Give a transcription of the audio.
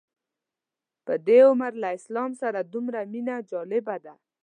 په دې عمر له اسلام سره دومره مینه جالبه ده.